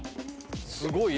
すごい。